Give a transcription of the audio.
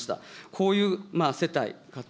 こういう世帯、家庭、